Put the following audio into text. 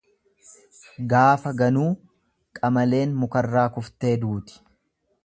Gaafa ganuu qalameen mukarraa kuftee duuti.